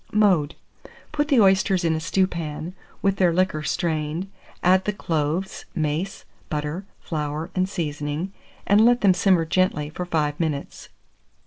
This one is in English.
Mode. Put the oysters in a stewpan, with their liquor strained; add the cloves, mace, butter, flour, and seasoning, and let them simmer gently for 5 minutes.